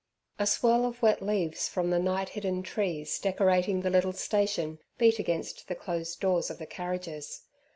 A swirl of wet leaves from the night hidden trees decorating the little station beat against the closed doors of the carriages.